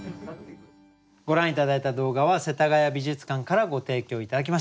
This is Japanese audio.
ご覧頂いた動画は世田谷美術館からご提供頂きました。